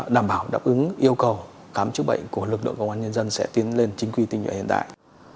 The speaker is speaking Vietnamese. đảm bảo đáp ứng yêu cầu khám chữa bệnh của lực lượng công an nhân dân sẽ tiến lên chính quy tinh nhuệ hiện đại